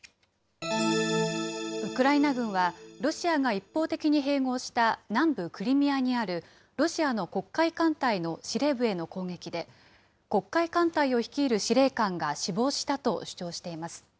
ウクライナ軍は、ロシアが一方的に併合した南部クリミアにあるロシアの黒海艦隊の司令部への攻撃で、黒海艦隊を率いる司令官が死亡したと主張しています。